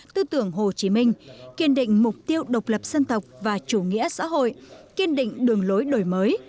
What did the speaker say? tư tưởng hồ chí minh kiên định mục tiêu độc lập dân tộc và chủ nghĩa xã hội kiên định đường lối đổi mới